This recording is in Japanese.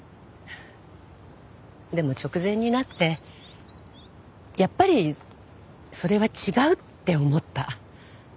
でも直前になってやっぱりそれは違うって思った。